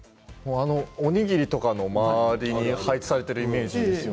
おにぎりとかの周りに配置されているイメージです。